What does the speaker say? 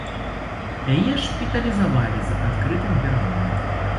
Яе шпіталізавалі з адкрытым пераломам.